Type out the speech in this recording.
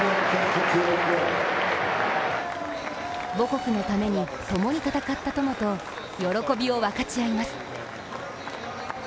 母国のためにともに戦った友と喜びを分かち合います。